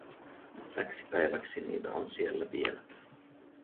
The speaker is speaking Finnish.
Täksi päiväksi niitä on siellä vielä.